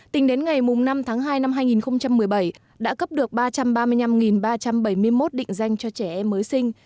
tính đến ngày năm tháng hai năm hai nghìn một mươi bảy đã cấp được ba trăm ba mươi năm ba trăm bảy mươi một định danh cho trẻ em mới sinh